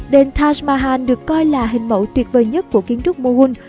đền taj mahal được coi là hình mẫu tuyệt vời nhất của kiến trúc moghul